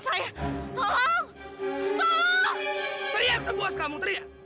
teriak sepuas kamu teriak